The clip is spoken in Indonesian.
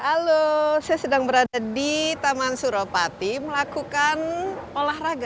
halo saya sedang berada di taman suropati melakukan olahraga